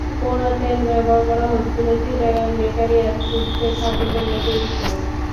পোড়া তেল ব্যবহার করা হচ্ছিল চিটাগাং বেকারি অ্যান্ড ফুডসের খাদ্যপণ্য তৈরিতেও।